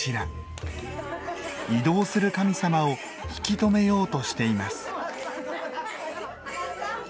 移動する神様を引き止めようとしています。